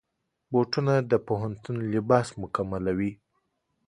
بوټونه د پوهنتون لباس مکملوي.